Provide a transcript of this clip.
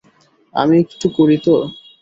আমি একটু করি তো।